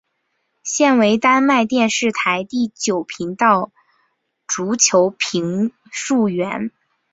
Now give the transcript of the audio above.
现为丹麦电视台第九频道足球评述员。